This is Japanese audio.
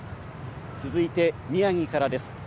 続いて宮城からです。